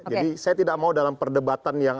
jadi saya tidak mau dalam perdebatan yang